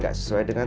kita sudah di depan